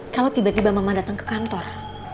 kalau tiba tiba mama datang ke kantor